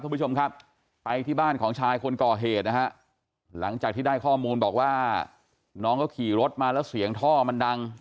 คุณผู้ชมครับไปที่บ้านของชายคนก่อเหตุนะฮะหลังจากที่ได้ข้อมูลบอกว่าน้องเขาขี่รถมาแล้วเสียงท่อมันดัง